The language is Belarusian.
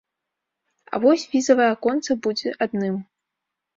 А вось візавае аконца будзе адным.